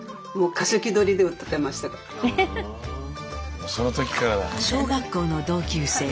もうその時からだ。